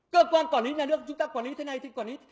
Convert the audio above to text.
cơ quan quản lý nhà nước chúng ta quản lý thế này thì quản lý